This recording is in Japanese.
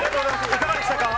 いかがでしたか。